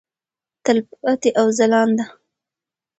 تلپاتې او ځلانده.